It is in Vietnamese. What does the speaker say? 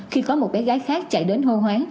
khi có một bé gái khác chạy đến hô hoáng